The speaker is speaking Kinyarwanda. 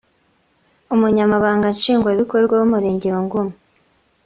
umunyamabanga nshingwabikorwa w’umurenge wa Ngoma